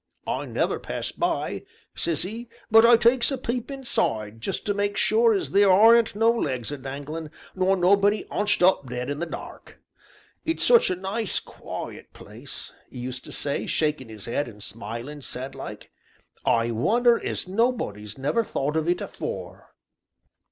I never pass by,' says 'e, 'but I takes a peep inside, jest to make sure as theer aren't no legs a danglin', nor nobody 'unched up dead in the dark. It's such a nice, quiet place,' e used to say, shakin' 'is 'ead, and smilin' sad like, 'I wonder as nobody's never thought of it afore.'